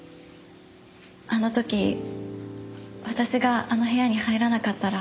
あの時私があの部屋に入らなかったら。